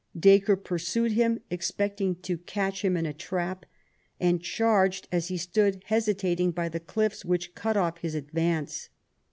Dacre pursued him, expecting to catch him in a trap, and charged as he stood hesitating by the cliffs, which cut off his advance.